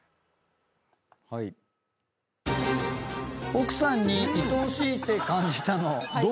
奥さんに「愛おしい」って感じたのどんな時？